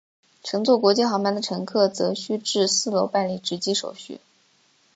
乘坐国际航班的乘客则需至四楼办理值机手续。